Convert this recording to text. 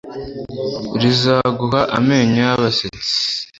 rizaguha amenyo y'abasetsi